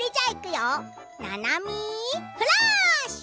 「ななみフラッシュ」。